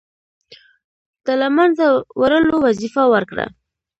د له منځه وړلو وظیفه ورکړه.